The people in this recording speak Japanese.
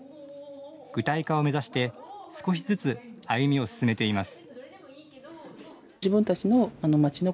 具体化を目指して少しずつ歩みを進めています。